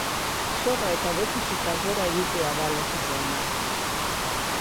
Zorra eta defizitak gora egitea da logikoena.